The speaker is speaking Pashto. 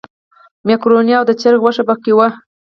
مېکاروني او د چرګ غوښه په کې وه.